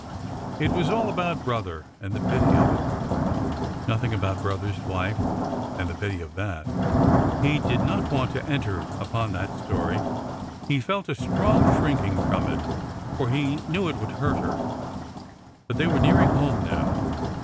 It was all about brother," and the pity of it. Nothing about '' brother's wife," and the pity of that. He did not want to enter upon that story, he felt a strong shrinking from it, for he knew it would hurt her. But they were nearing home now.